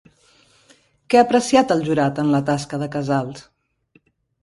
Què ha apreciat el jurat en la tasca de Casals?